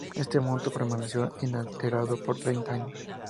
Este monto permaneció inalterado por treinta años.